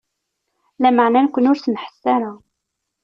Lameɛna nekni ur s-nḥess ara.